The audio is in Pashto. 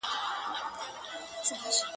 د لوړتیا د محبوب وصل را حاصل سي!